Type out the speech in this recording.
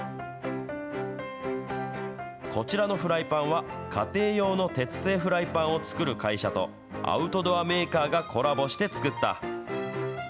こちらのフライパンは家庭用の鉄製フライパンを作る会社と、アウトドアメーカーがコラボして作った。